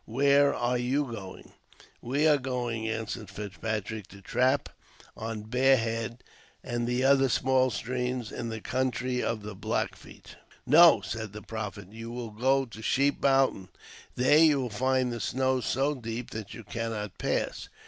Where are you going ?" "We are going," answered Fitzpatrick, "to trap on Bear Head and the other small streams in the country of the Black Feet." " No," said the prophet, " you will go to Sheep Mountain; there you will find the snow so deep that you cannot pass.